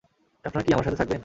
আপনারা কি আমার সাথে থাকবেন?